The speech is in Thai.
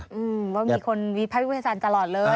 อืมว่ามีคนวิภาควิจารณ์ตลอดเลย